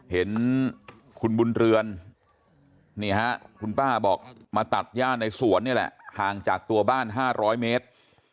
เห็นคุณบุญเรือนนี่ฮะคุณป้าบอกมาตัดย่าในสวนนี่แหละห่างจากตัวบ้าน๕๐๐เมตร